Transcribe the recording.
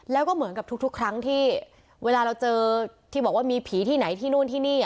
แล้วก็เหมือนกับทุกครั้งที่เวลาเราเจอที่บอกว่ามีผีที่ไหนที่นู่นที่นี่